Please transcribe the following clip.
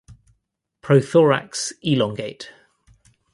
Prothorax elongate.